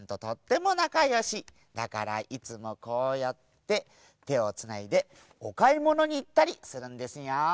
だからいつもこうやっててをつないでおかいものにいったりするんですよ。